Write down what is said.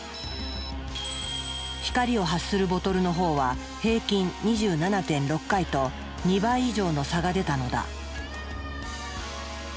光を発するボトルの方は平均２７．６回と２倍以上の差が出たのだ。